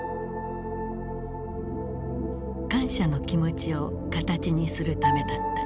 感謝の気持ちを形にするためだった。